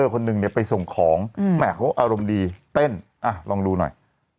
คนหนึ่งเนี่ยไปส่งของแหมเขาอารมณ์ดีเต้นลองดูหน่อย